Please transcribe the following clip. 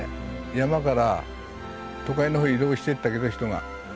山から都会の方へ移動してったけど人が。